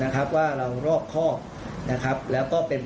ค่ะ